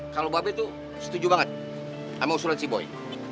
kalau mbak be itu setuju banget sama usulan si boy